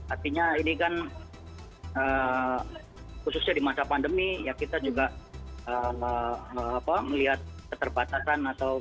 artinya ini kan khususnya di masa pandemi ya kita juga melihat keterbatasan atau